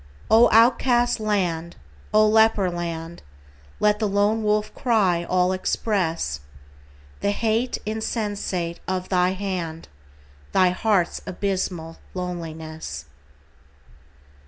O outcast land! O leper land! Let the lone wolf cry all express The hate insensate of thy hand, Thy heart's abysmal loneliness.